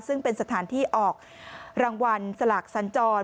ซึ่งเป็นสถานที่ออกรางวัลสลากสัญจร